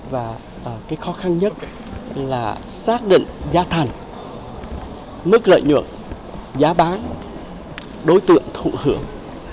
và cái khó khăn nhất là xác định giá thành mức lợi nhuận giá bán đối tượng thụ hưởng